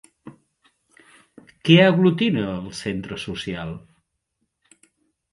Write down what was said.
Què aglutina el centre social?